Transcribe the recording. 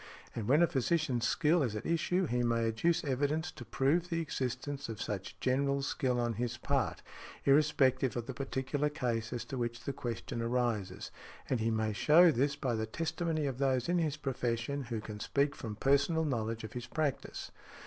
And when a physician's skill is at issue he may adduce evidence to prove the existence of such general skill on his part, irrespective of the particular case as to which the question arises; and he may show this by the testimony of those in his profession who can speak from personal knowledge of his practice .